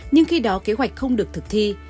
nhưng khi đó kế hoạch không được thực thi